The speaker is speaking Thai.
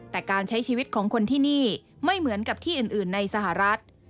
แต่การใช้ชีวิตของคนที่นี่ไม่เหมือนกับที่อื่นในสหรัฐ